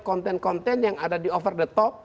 konten konten yang ada di over the top